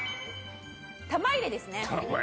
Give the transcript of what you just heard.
玉入れですね。